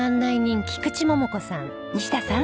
西田さん。